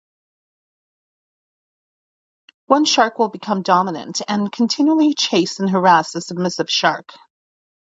One shark will become dominant and will continually chase and harass the submissive shark.